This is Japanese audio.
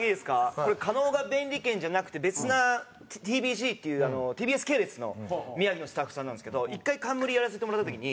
これ『かのおが便利軒』じゃなくて別なｔｂｃっていうＴＢＳ系列の宮城のスタッフさんなんですけど１回冠やらせてもらった時に。